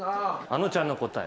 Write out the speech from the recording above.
あのちゃんの答え